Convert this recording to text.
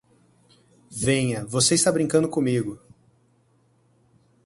Venha, você está brincando comigo!